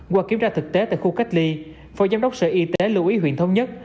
qua kiểm tra thực tế tại khu cách ly phó giám đốc sở y tế lưu ý huyện thống nhất